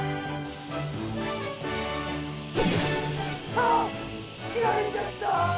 あっ切られちゃった。